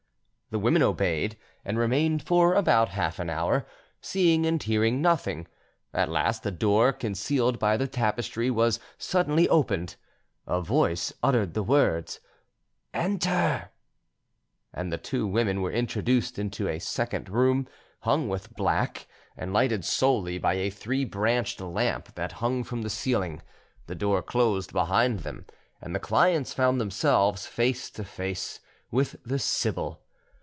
The women obeyed, and remained for about half an hour, seeing and hearing nothing. At last a door, concealed by the tapestry, was suddenly opened; a voice uttered the word "Enter," and the two women were introduced into a second room, hung with black, and lighted solely by a three branched lamp that hung from the ceiling. The door closed behind them, and the clients found themselves face to face with the sibyl.